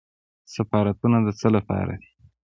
سفارتونه د څه لپاره دي؟